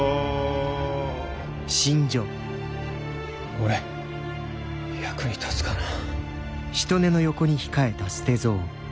俺役に立つかなぁ。